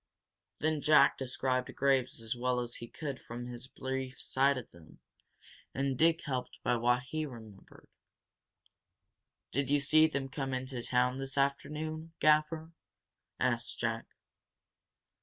Then Jack described Graves as well as he could from his brief sight of him, and Dick helped by what he remembered. "Did you see him come into town this afternoon, Gaffer?" asked Jack.